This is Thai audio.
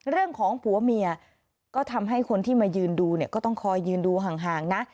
เรื่องของผัวเมียก็ทำให้คนที่มายืนดูเนี่ยก็ต้องคอยยืนดูห่างนะ